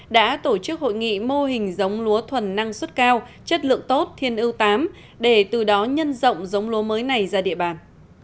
đã tổ chức hội nghị mô hình giống lúa thuần năng suất cao chất lượng tốt thiên ưu tám để từ đó nhân rộng giống lúa mới này ra địa bàn